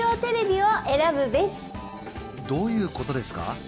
どういうことですか？